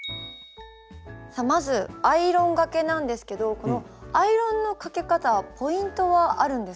さあまずアイロンがけなんですけどこのアイロンのかけ方ポイントはあるんですか？